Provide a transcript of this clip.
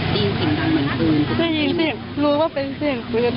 ได้ยินเสียงรู้ว่าเป็นเสียงปืน